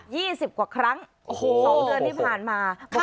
สิบกว่าครั้งโอ้โหสองเดือนที่ผ่านมา